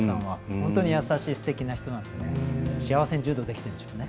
本当に優しい、すてきな人なので幸せに柔道できてるんでしょうね。